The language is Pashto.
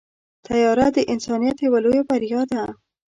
طیاره د انسانیت یوه لویه بریا ده.